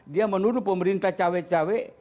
dia menuduh pemerintah cawek cawek